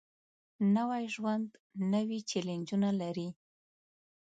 نوی ژوند نوې چیلنجونه لري